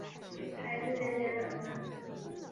孩子渐渐长大